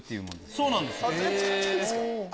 そうなんですよ。